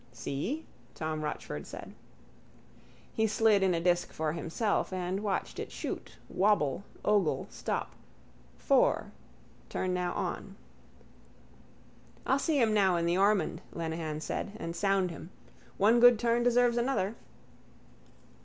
—See? Tom Rochford said. He slid in a disk for himself: and watched it shoot, wobble, ogle, stop: four. Turn Now On. —I'll see him now in the Ormond, Lenehan said, and sound him. One good turn deserves another.